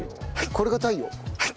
これが太陽？